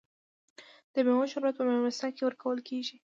د میوو شربت په میلمستیا کې ورکول کیږي.